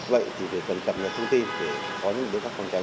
vậy thì cần cập nhật thông tin để có những đối tác phòng tránh